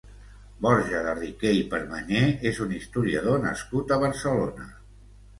Borja de Riquer i Permanyer és un historiador nascut a Barcelona.